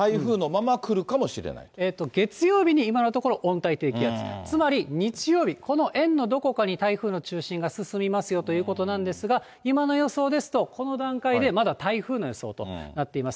ただ、月曜日に今のところ、温帯低気圧、つまり日曜日、この円のどこかに台風の中心が進みますよということなんですが、今の予想ですと、この段階でまだ台風の予想となっています。